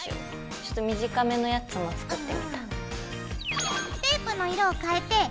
ちょっと短めのやつも作ってみた。